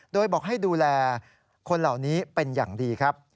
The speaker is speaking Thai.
โดยบอกให้ดูแลคนเหล่านี้เป็นอย่างดีครับ